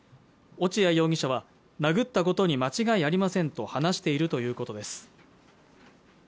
落合容疑者は殴ったことに間違いありませんと話しているということです